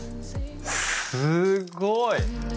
すっごい！